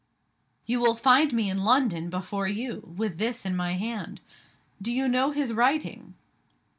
"You will find me in London, before you with this in my hand. Do you know his writing?"